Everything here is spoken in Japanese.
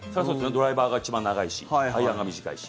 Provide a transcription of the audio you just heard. ドライバーが一番長いしアイアンが短いし。